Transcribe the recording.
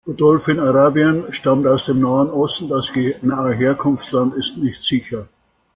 Godolphin Arabian stammt aus dem Nahen Osten, das genaue Herkunftsland ist nicht sicher.